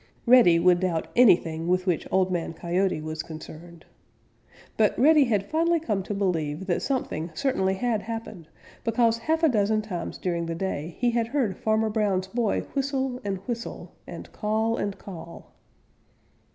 Reddy would doubt anything with which Old Man Coyote was concerned. But Reddy had finally come to believe that something certainly had happened because half a dozen times during the day he had heard Farmer Brown's boy whistle and whistle and call and call.